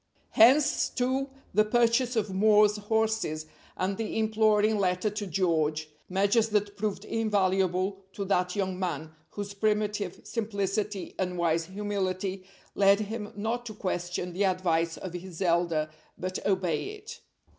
Hence, too, the purchase of Moore's horses, and the imploring letter to George measures that proved invaluable to that young man, whose primitive simplicity and wise humility led him not to question the advice of his elder, but obey it.